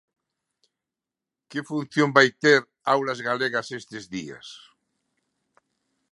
Que función vai ter Aulas Galegas estes días?